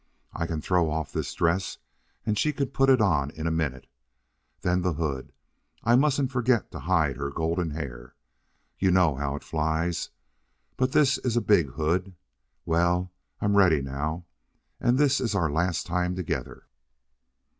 I can throw off this dress and she can put it on in a minute. Then the hood. I mustn't forget to hide her golden hair. You know how it flies. But this is a big hood.... Well, I'm ready now. And this 's our last time together."